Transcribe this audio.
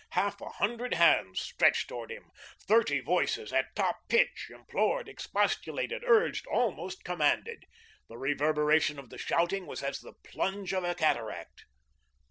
Half a hundred hands stretched toward him; thirty voices, at top pitch, implored, expostulated, urged, almost commanded. The reverberation of the shouting was as the plunge of a cataract.